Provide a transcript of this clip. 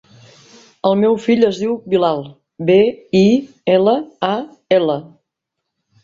El meu fill es diu Bilal: be, i, ela, a, ela.